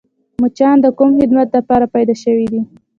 مچان د کوم خدمت دپاره پیدا شوي دي؟